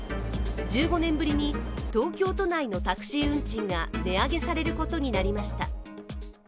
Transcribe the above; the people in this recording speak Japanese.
１５年ぶりに、東京都内のタクシー運賃が値上げすることになりました。